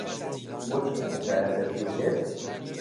بۆچی ئەم چرایە دەترووکێت؟